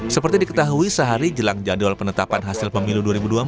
seperti diketahui sehari jelang jadwal penetapan hasil pemilu dua ribu dua puluh empat